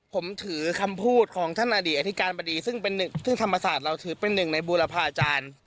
ผมถือคำพูดของท่านอดีตอธิการบดีซึ่งธรรมศาสตร์เราถือเป็นหนึ่งในบูรพาอาจารย์